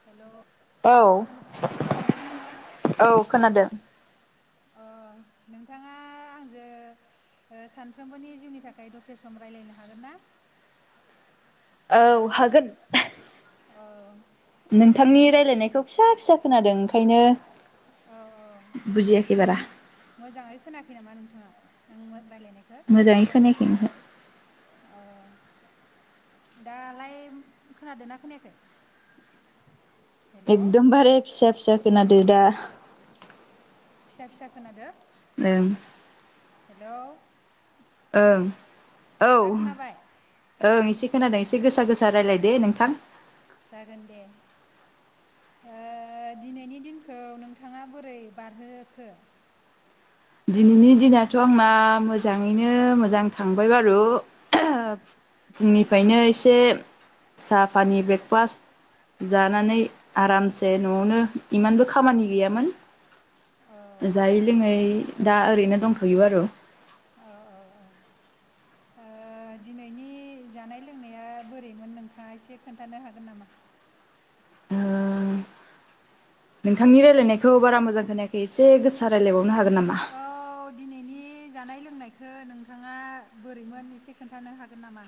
हेल', औ खोना खोनादों ना नोंथाङा? औ खोनादों अ नोंथाङा आंजों ओ सानफ्रोमबोनि जिउनि थाखाय दसे सम राय्लायनो हागोन ना? औ हागोन। नोंथांनि नों रायलायनायखौ फिसा फिसा खोनादों ओंखायनो औ औ बुजियाखै मो बारा मोजाङै खोनायाखै नामा नोंथाङा? थांमोन राय्लायनायखौ? मोजाङै खोनायाखै नोंहा अ। दालाय खोनादों ना खोनायाखै? हेल' एदम बारे फिसा फिसा खोनादो दा। फिसा फिसा खोनादों? ओं। हेल'। ओं। औ दा खोनाबाय? ओं। खोनादों एसे गोसा गोसा रायलाय दे नोंथां। जागोन दे ओ दिनैनि दिनखौ नोंथांङा बोरै बारहोखो? दिनैनि दिनाथ' आंना मोजांङैनो मोजां थांबाय बारु फुंनिफ्रायनो एसे सा फानि ब्रेकफास्ट औ जानानै आरामसे न'आवनो इमानबो खामानि गैयामोन औ जायै लोङै दा ओरैनो दंथ'यो बारु। औ ओ दिनैनि जानाय लोंनाया बोरैमोन नोंथांङा एसे खोन्थानो हागोन नामा? ओ नोंथांनि रायलायनायखौ बारा मोजां खोनायाखै एसे गोसा रायलायबाव औ दिनैनि जानाय लोंनाय खो नोंथांङा बोरैमोन एसे खोन्थानो हागोन नामा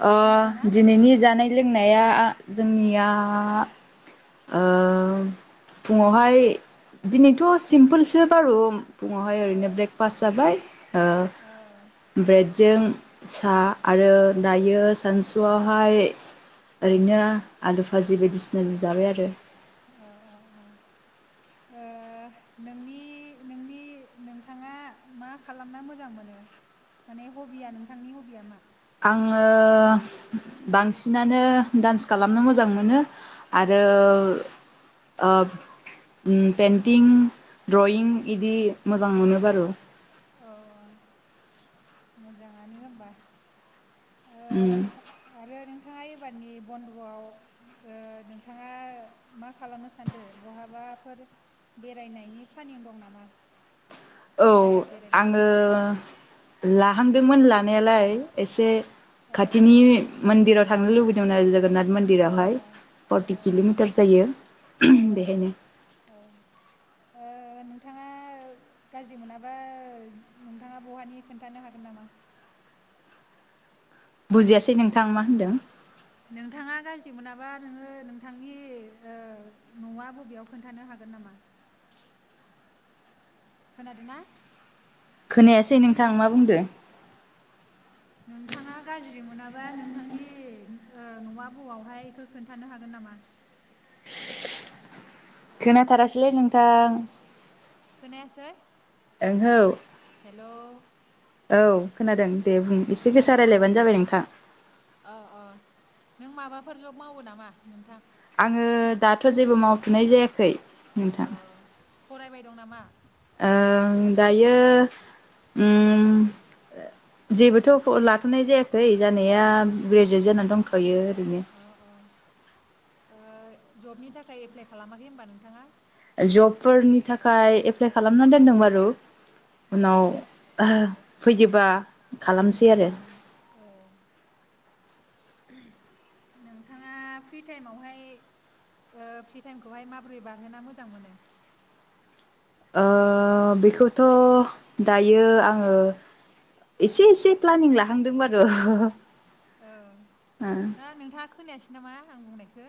अ खोनादों ना? दिनैनि जानाय लोंनाय नाया जोंनिया ओ फुंङावहाय दिनैथ' सिम्पोलसो बारु फुंङावहाय ओ ओरैनो ब्रेकफास्ट जाबाय ओ औ ब्रेडजों सा आरो दायो सानसुआवहाय ओरैनो आलु फाजि बायदिसिना जों जाबाय आरो। औ ओ नोंनि नोंनि नोंथाङा मा खालामना मोजां मोनो माने हबिया नोंथांनि हबिया मा आंङो बांसिनानो दान्स खालामनो मोजां मोनो आरो ओ उम पेइन्टिं द्रयिं इदि मोजां मोनो बारु मोजांङानो ओमबा उम। आरो नोंथांङा एबारनि बन्द'आव ओ नोंथांङा मा खालामनो सानदो बहाबाफोर बेरायनायनि प्लानिं दं नामा? औ जायगा बेरायनायनि आंङो ला हांदोंमोन लानायालाय एसे औ औ खाथिनि मोन्दिराव थांनो लुबैदोंमोन आरो जोगोनाथ ओ ओ मन्दिरावहाय ओ फर्टि किल'मिटार जायो बेहायनो। औ औ ओ नोंथांङा गाज्रि मोनाबा नोंथाङा बहानि खोन्थानो हागोन नामा? बुजियासै नोंथां मा होनदों? नोंथांङा गाज्रि मोनाबा नोंङो नोंथांनि ओ न'आ बबेयाव खोन्थानो हागोन नामा? खोनादो ना? खोनायासै नोंथां मा बुंदो। नोंथांङा गाज्रि मोनाबा नोंथांनि ओ न'आ बबावहाय इखो खोन्थानो हागोन नामा? खोनाथारासैलै नोंथां। खोनायासै? ओहौ। हेलौ। औ खोनादों। दे बुं एसे गोसा खोनाबायना रायलायबानो जाबाय नोंथां। अ अ नों माबाफोर जब मावो नामा नोंथां? आंङो दाथ' जेबो मावथ'नाय जायाखै। अ नोंथां। फरायबाय दं नामा? ओ दायो उम जेबोथ' लाथ'नाय जायाखै जानाया ग्रेजुवेट जानानै दंथ'यो। बिदिनो अ अ ओ जबनि थाखाय एप्लाइ खालामाखै होनबा नोंथाङा? जबफोरनि थाखाय एप्लाइ खालामनानै दोनदों बारु उनाव ओ फैयोबा खालामसै ओ आरो औ नोंथाङा फ्रि टाइमावहाय ओ फ्रि टाइमखौहाय माबोरै बारहोना मोजां मोनो। ओ बेखौथ' दायो आङो एसे एसे प्लानिं लाहांदों बारु ह' ओ ना नोंथाङा खोनायासै नामा आं बुंनायखौ।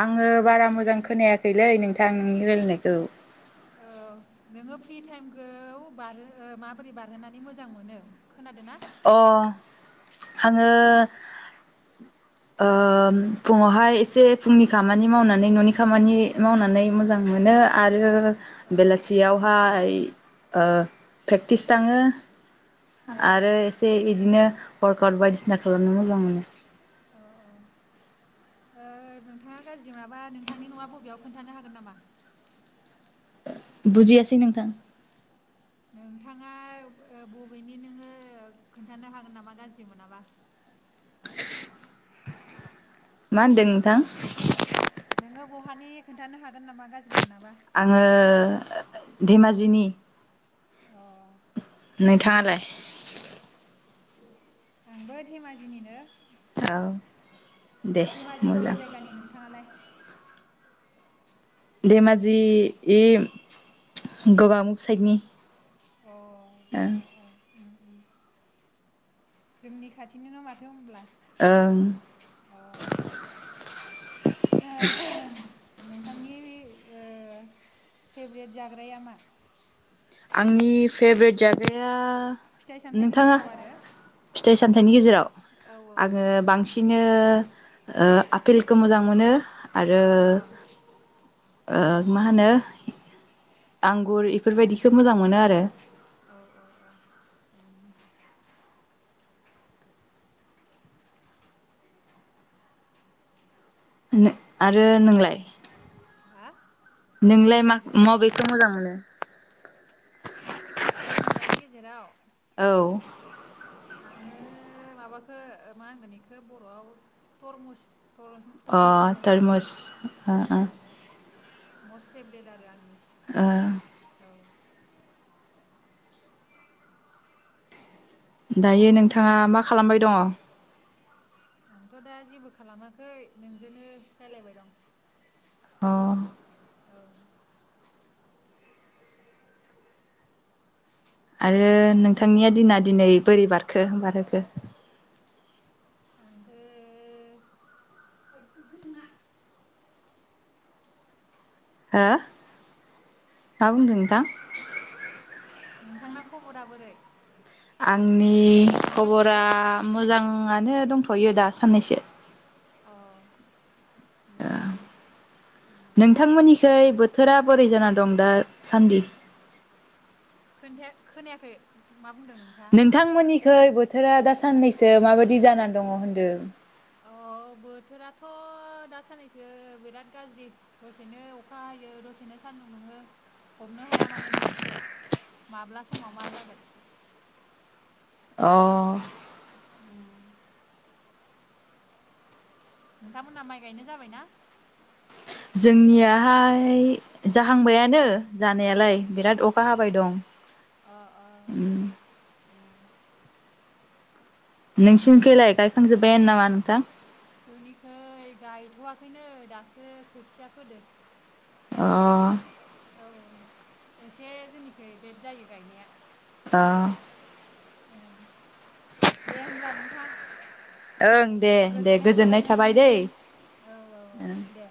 आङो बारा मोजां खोनायाखैलै नोंथांनि रायलायनायखौ। औ नोङो फ्रि टाइमखौ बारहो माबोरै बारहोनानै मोजां मोनो खोनादों ना। अ आङो ओ फुङावहाय एसे फुंनि खामानि मावनानै न'नि खामानि मावनानै मोजां मोनो आरो औ बेलासियावहाय ओ प्रेक्टिस थाङो। औ आरो एसे इदिनो फार्कआउट बायदिसिना खालामनो मोजां मोनो। औ ओ नोंथाङा गाज्रि मोनाबा नोंथांनि नङा बबेयाव खोन्थानो हागोन नामा? बुजियासै नोंथां। नोंथाङा बबेनि नोङो खोन्थानो हागोन नामा गाज्रि मोनामा। मा होनदों नोंथां। नोङो बहानि खोन्थानो हागोन नामा गाज्रि मोनाबा? आङो धेमाजिनि। अ नोंथाङालाय आंबो धेमाजिनिनो। [unintelligible] धेमाजि बबे मोजां जायगानि नोंथाङालाय। धेमाजि इम गगामुग साइडनि। अ ओ अ अ उम उम जोंनि खाथिनोन' माथो होनब्ला। ओं नोंथांनि बे ओ फेभ्रेट जाग्राया मा? आंनि फेभ्रेट जाग्राया फिथाइ सामथाइनि नोंथाङा गेजेराव आरो फिथाइ सामथाइनि गेजेराव औ आङो बांसिनै ओ ओ आपेलखौ मोजां मोनो। आरो अ ओ मा होनो। आंगुर ऐफोरबायदि खोब मोजां मोनो आरो औ औ औ नो आरो नोंलाय हा नोंलाय मा हेल' मबेखौ मोजां मोनो? फिथाइ सामथायाइनि गेजेराव? औ आङो माबाखौ मा होनगोन इखो बर'आव तरमुस। अ तर-तरमुसखौ मोजां मोनो तरमुस ओ ओ उम। मस्ट फेभरेट आरो आंनि। ओ औ दायो नोंथाङा मा खालामबाय दङ? आंथ' दा जेबो खालामाखै नोंजोंनो रायलायबाय दं। अ औ आरो नोंथांनिया दिना दिनै बोरै बारखो बारहोखो? आंफो [unintelligible] हो मा बुंदों नोंथां? नोंथांना खब'रा बोरै? आंनि मोजांना गासिबो खब'रा मोजांआनो दंथ'यो दा साननैसो। अ ओ नोंथांमोननि खै बोथोरा बोरै जाना दं दा सान्दि? खोनथाया खोनायाखै। मा बुंदों नोंथाङा नोंथांमोननिखै बोथ थोरा दा साननैसो ओ माबायदि जानानै दङ होनदो? थ' दासाननैसो बिराद गाज्रि दसेनो अखा हायो दसेनो सान्दुं दुङो हमनो हाया माने बोथोरखौ माब्ला समाव मा जागोन। अ [inaudible] नोंथांमोनहा माइ गायनो जाबायना? जोंनियाहाय जाहांबायानो जानायालाय बिराद अखा हाबाय दं। अ अ उम उम नोंसिनि खैलाय गायखांजोब्बायानो नामा नोंथां? जोंनिखै गायथ'वाखैनोै दासो खोथिया फोदो। अ औ एसे जोंनिखै लेट जायो गायनाया। अ दे होमब्ला नोंथाङ ओं दे दे गोजोननाय थाबाय दै नोंथांनिसिम औ औ औ दे।